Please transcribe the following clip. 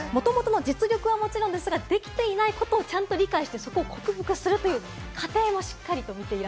実力はもちろんですが、できていないことをちゃんと理解して、それを克服するという過程をしっかり見ていると。